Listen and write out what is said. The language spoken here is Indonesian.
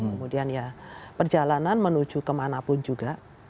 kemudian ya perjalanan menuju kemana pun juga